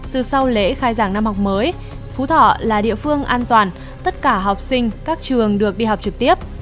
từ sau lễ khai giảng năm học mới phú thọ là địa phương an toàn tất cả học sinh các trường được đi học trực tiếp